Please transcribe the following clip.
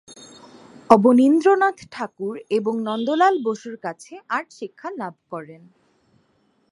অবনীন্দ্রনাথ ঠাকুর এবং নন্দলাল বসুর কাছে আর্ট শিক্ষা লাভ করেন।